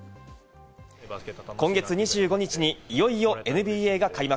今月２５日にいよいよＮＢＡが開幕。